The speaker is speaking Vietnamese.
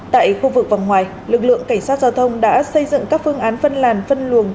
tại khu vực vòng ngoài lực lượng cảnh sát giao thông đã xây dựng các phương án phân làn phân luồng